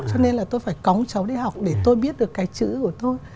cho nên là tôi phải cóng cháu đi học để tôi biết được cái chữ của tôi